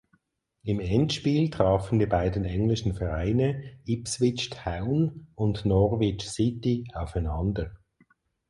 Im Endspiel trafen die beiden englischen Vereine Ipswich Town und Norwich City aufeinander.